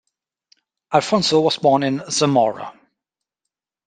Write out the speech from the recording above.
Alfonso was born in Zamora.